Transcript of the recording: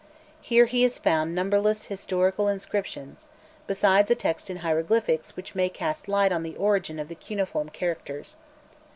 Here he has found numberless historical inscriptions, besides a text in hieroglyphics which may cast light on the origin of the cuneiform characters.